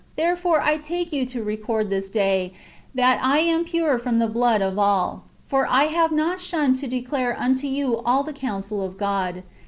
Therefore I take you to record this day, that I am pure from the blood of all. For I have not shunned to declare unto you all the counsel of God.